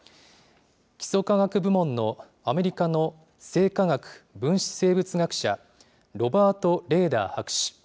基礎科学部門のアメリカの生化学分子生物学者、ロバート・レーダー博士。